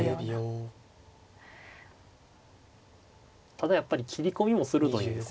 ただやっぱり斬り込みも鋭いんですよ。